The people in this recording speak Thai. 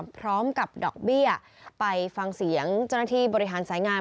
พร้อมกับดอกเบี้ยไปฟังเสียงเจ้าหน้าที่บริหารสายงาน